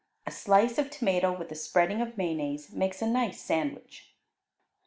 A slice of tomato with a spreading of mayonnaise makes a nice sandwich.